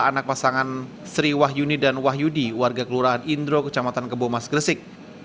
anak pasangan sri wahyuni dan wahyudi warga kelurahan indro kecamatan kebomas gresik